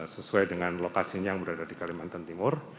sesuai dengan lokasinya yang berada di kalimantan timur